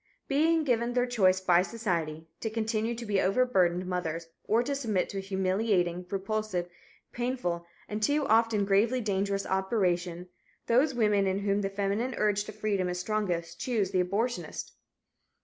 Being given their choice by society to continue to be overburdened mothers or to submit to a humiliating, repulsive, painful and too often gravely dangerous operation, those women in whom the feminine urge to freedom is strongest choose the abortionist.